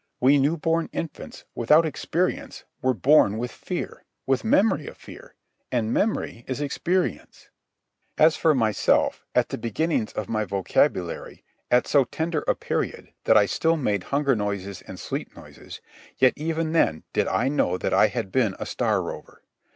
We new born infants, without experience, were born with fear, with memory of fear; and memory is experience. As for myself, at the beginnings of my vocabulary, at so tender a period that I still made hunger noises and sleep noises, yet even then did I know that I had been a star rover.